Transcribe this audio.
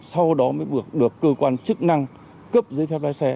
sau đó mới được cơ quan chức năng cấp dây phép lái xe